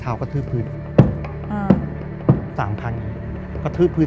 เท้ากระทืบพื้นอ่ะเขากระทืบพื้น